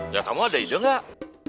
ya kamu ada ide nggak